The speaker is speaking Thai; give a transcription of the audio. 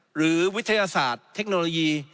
วิทยาศาสตร์เทคโนโลยี